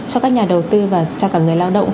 cho các nhà đầu tư và cho cả người lao động